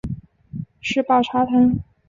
石宝茶藤